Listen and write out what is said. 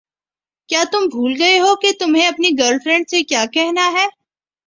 کیا تم بھول گئے ہو کہ تمہیں اپنی گرل فرینڈ سے کیا کہنا ہے؟